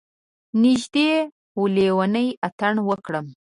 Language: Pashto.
نږدې و لیونی اتڼ وکړم.